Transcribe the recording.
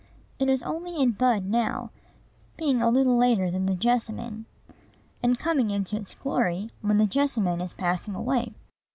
It is only in bud now, being a little later than the jessamine, and coming into its glory when the jessamine is passing away.